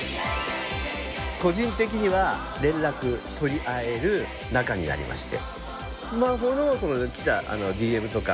個人的には連絡取り合える仲になりまして。